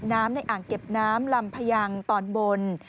ในอ่างเก็บน้ำลำพยางตอนบน